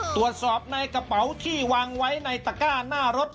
ตรวจสอบในกระเป๋าที่วางไว้ในตะก้าหน้ารถ